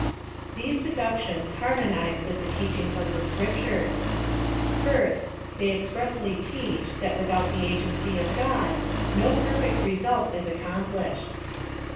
These deductions harmonize with the teachings of the Scriptures : First, They expressly teach, tliat without the agency of God, no perfect result is accomplished.